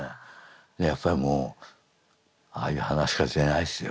やっぱりもうああいう噺家出ないですよ